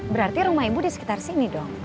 berarti rumah ibu di sekitar sini dong